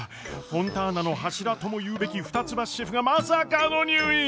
フォンターナの柱とも言うべき二ツ橋シェフがまさかの入院！？